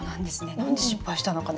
何で失敗したのかな？